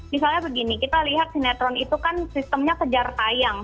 misalnya begini kita lihat sinetron itu kan sistemnya kejar tayang